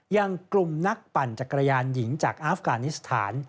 อย่างกลุ่มนักปั่นจักรยานหญิงจากอาฟกานิสถาน